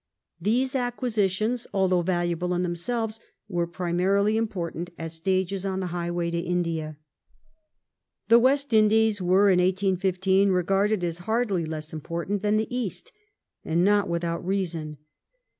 These acquisitions, although valuable in themselves, were primarily important as stages on the highway to India. The West Indies were, in 1815, regarded as hardly less im portant than the East. And not without reason.